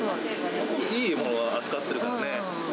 いいものを扱っているからね。